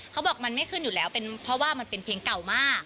เขาบอกมันไม่ขึ้นอยู่แล้วเป็นเพราะว่ามันเป็นเพลงเก่ามาก